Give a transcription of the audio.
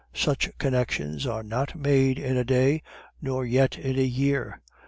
Such connections are not made in a day nor yet in a year.